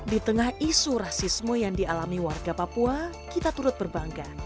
di tengah isu rasisme yang dialami warga papua kita turut berbangga